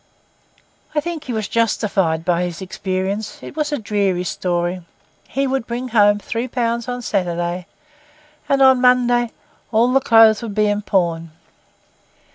I think he was justified by his experience. It was a dreary story. He would bring home three pounds on Saturday, and on Monday all the clothes would be in pawn.